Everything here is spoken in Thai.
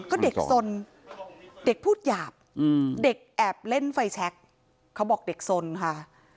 ก็เด็กสนเด็กพูดหยาบเด็กแอบเล่นไฟแชคเขาบอกเด็กสนค่ะ